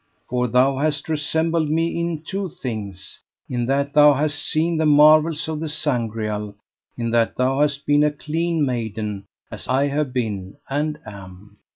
For thou hast resembled me in two things; in that thou hast seen the marvels of the Sangreal, in that thou hast been a clean maiden, as I have been and am.